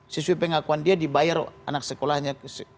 sesuai pengakuan dia dibayar anak sekolahnya